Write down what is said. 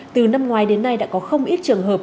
từ năm ngoái đến nay đã có không ít trường hợp